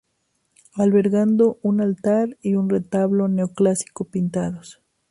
Albergando un altar y un retablo neoclásico pintados.